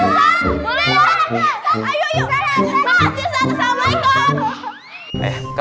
ya kan ustadz boleh ya